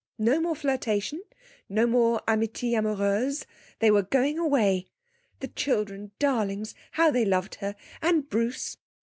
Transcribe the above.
No more flirtation, no more amitié amoureuse. They were going away. The children, darlings, how they loved her! And Bruce.